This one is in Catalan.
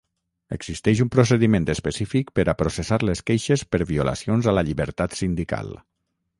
Existeix un procediment específic per a processar les queixes per violacions a la llibertat sindical.